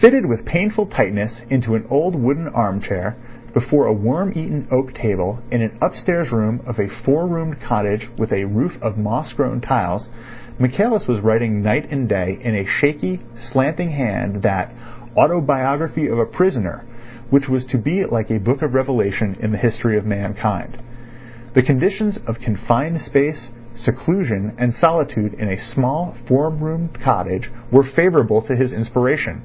Fitted with painful tightness into an old wooden arm chair, before a worm eaten oak table in an upstairs room of a four roomed cottage with a roof of moss grown tiles, Michaelis was writing night and day in a shaky, slanting hand that "Autobiography of a Prisoner" which was to be like a book of Revelation in the history of mankind. The conditions of confined space, seclusion, and solitude in a small four roomed cottage were favourable to his inspiration.